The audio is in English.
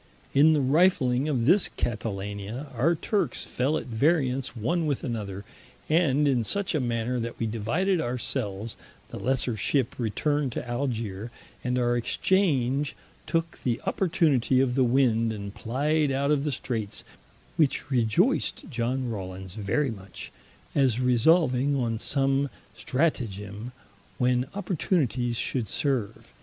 In the rifling of this Catelaynia, our Turkes fell at variance one with another, and in such a manner, that we divided our selves, the lesser ship returned to Algier, and our Exchange tooke the opportunitie of the wind, and plyed out of the Streights, which reioyced Iohn Rawlins very much, as resolving on some Stratageme, when opportunities should serve.